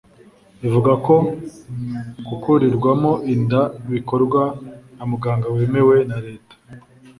Ivuga ko gukurirwamo inda bikorwa na muganga wemewe na Leta.